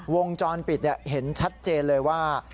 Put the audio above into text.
วงจรปิดเห็นชัดเจนเลยว่า